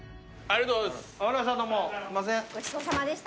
ありがとうございます。